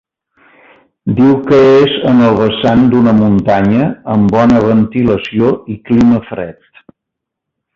Diu que és en el vessant d'una muntanya, amb bona ventilació i clima fred.